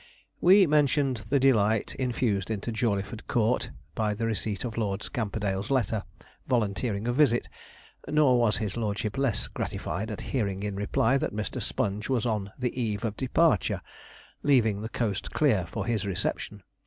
We mentioned the delight infused into Jawleyford Court by the receipt of Lord Scamperdale's letter, volunteering a visit, nor was his lordship less gratified at hearing in reply that Mr. Sponge was on the eve of departure, leaving the coast clear for his reception.